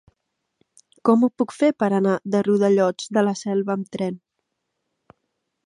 Com ho puc fer per anar a Riudellots de la Selva amb tren?